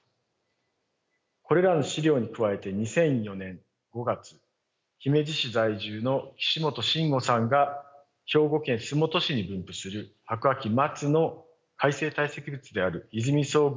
これらの資料に加えて２００４年５月姫路市在住の岸本眞五さんが兵庫県洲本市に分布する白亜紀末の海成堆積物である和泉層群北阿万層